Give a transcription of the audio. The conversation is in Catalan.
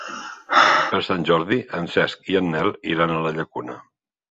Per Sant Jordi en Cesc i en Nel iran a la Llacuna.